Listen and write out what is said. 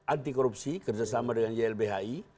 anti korupsi kerjasama dengan ylbhi